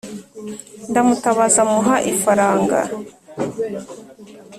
ndamutabaza muha ifaranga